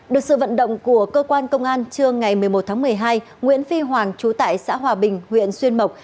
được sự vận động của cơ quan công an trưa ngày một mươi một tháng một mươi hai nguyễn phi hoàng trú tại xã hòa bình huyện xuyên mộc